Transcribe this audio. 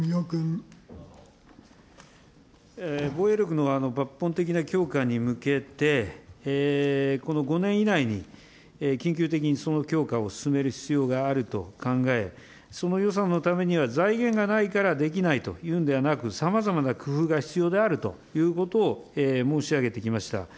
防衛力の抜本的な強化に向けて、この５年以内に、緊急的にその強化を進める必要があると考え、その予算のためには財源がないからできないというんではなく、さまざまな工夫が必要であるということを申し上げてきました。